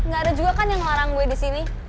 gak ada juga kan yang ngelarang gue di sini